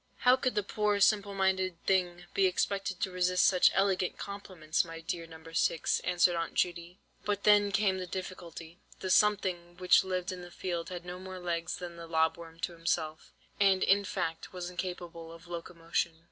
"How could the poor simple minded thing be expected to resist such elegant compliments, my dear No. 6?" answered Aunt Judy. "But then came the difficulty. The 'something' which lived in the field had no more legs than the lob worm himself, and, in fact, was incapable of locomotion."